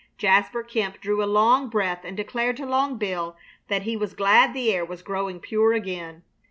Jasper Kemp drew a long breath and declared to Long Bill that he was glad the air was growing pure again.